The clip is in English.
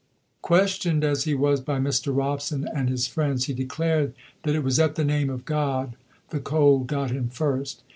Questioned as he was by Mr. Robson and his friends, he declared that it was at the name of God the cold got him first.